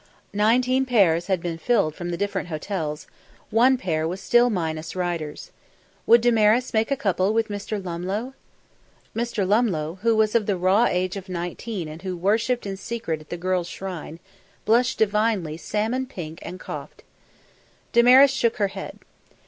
Nineteen pairs had been filled from the different hotels, one pair was still minus riders. Would Damaris make a couple with Mr. Lumlough? Mr. Lumlough, who was of the raw age of nineteen and who worshipped in secret at the girl's shrine, blushed divinely salmon pink and coughed. Damaris shook her head.